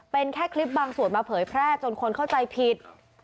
เป็นแค่คลิปบางส่วนมาเผยแพร่จนคนเข้าใจผิด